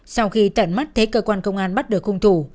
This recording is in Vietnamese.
sau khi tận mắt thấy cơ quan công an bắt được hung thủ